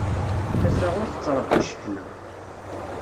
Tasa ur tettṛebbi cceḥna.